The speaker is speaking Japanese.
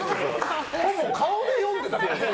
ほぼ顔で読んでた。